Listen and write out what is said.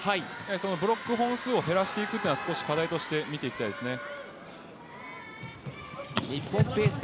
ブロック本数を減らしていくのは少し課題として見ていきたいですね。